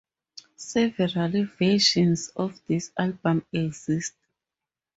Several versions of this album exist.